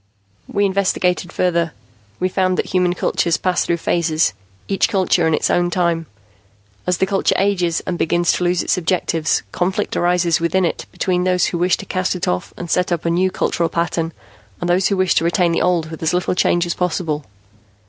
"We investigated further. We found that human cultures pass through phases, each culture in its own time. As the culture ages and begins to lose its objectives, conflict arises within it between those who wish to cast it off and set up a new culture pattern, and those who wish to retain the old with as little change as possible.